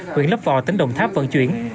huyện lấp vò tỉnh đồng tháp vận chuyển